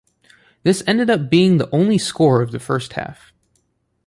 This ended up being the only score of the first half.